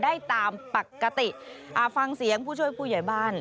ได้ตามปกติอ่าฟังเสียงผู้ช่วยผู้ใหญ่บ้าน